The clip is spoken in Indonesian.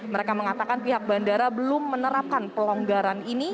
mereka mengatakan pihak bandara belum menerapkan pelonggaran ini